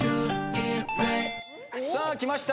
さあきました。